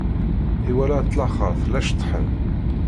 Iwala at laxeṛt la ceṭṭḥen.